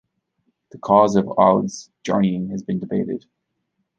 The cause of Aud's journeying has been debated.